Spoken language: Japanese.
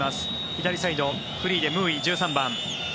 左サイド、フリーでムーイ１３番。